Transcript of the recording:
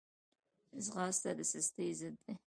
ځغاسته د سستۍ ضد ده